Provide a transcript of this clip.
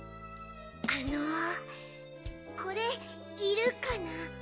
あのこれいるかな？